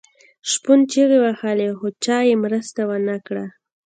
شپون چیغې وهلې خو چا یې مرسته ونه کړه.